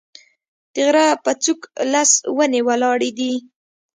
د غره په څوک لس ونې ولاړې دي